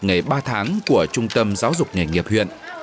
nghề ba tháng của trung tâm giáo dục nghề nghiệp huyện